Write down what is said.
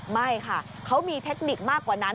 ไม่ค่ะเขามีเทคนิคมากกว่านั้น